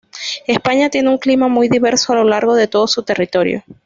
España tiene un clima muy diverso a lo largo de todo su territorio.